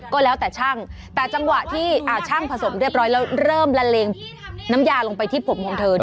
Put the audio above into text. ก็แล้วแต่ช่างแต่จังหวะที่ช่างผสมเรียบร้อยแล้วเริ่มละเลงน้ำยาลงไปที่ผมของเธอ